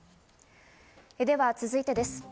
では続いてです。